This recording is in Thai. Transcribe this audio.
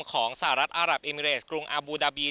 ของสหรัฐอารับเอมิเรสกรุงอาบูดาบี